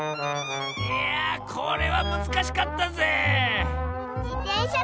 いやこれはむずかしかったぜえ。